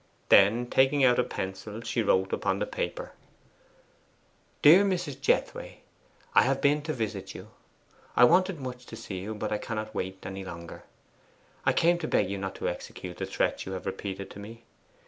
Then taking out a pencil she wrote upon the paper: 'DEAR MRS. JETHWAY, I have been to visit you. I wanted much to see you, but I cannot wait any longer. I came to beg you not to execute the threats you have repeated to me.